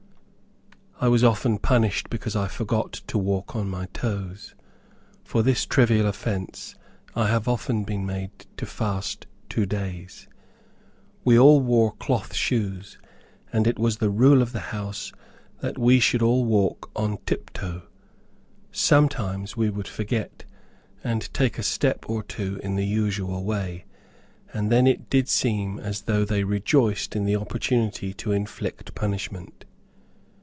I was often punished because I forgot to walk on my toes. For this trivial offence I have often been made to fast two days. We all wore cloth shoes, and it was the rule of the house that we should all walk on tip toe. Sometimes we would forget, and take a step or two in the usual way; and then it did seem as though they rejoiced in the opportunity to inflict punishment.